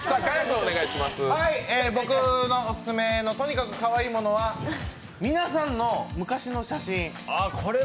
僕のオススメのとにかくかわいいものは、皆さんの昔の写真。